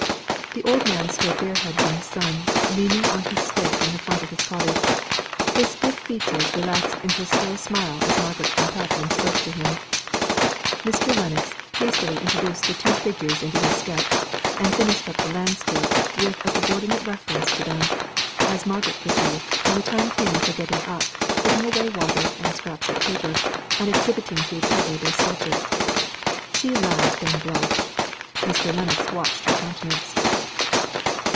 The old man stood bareheaded in the sun, leaning on his stick at the front of his cottage. His stiff features relaxed into a slow smile as Margaret went up and spoke to him. Mr. Lennox hastily introduced the two figures into his sketch, and finished up the landscape with a subordinate reference to them as Margaret perceived, when the time came for getting up, putting away water, and scraps of paper, and exhibiting to each other their sketches. She laughed and blushed: Mr. Lennox watched her countenance.